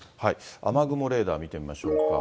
雨雲レーダー、見てみましょうか。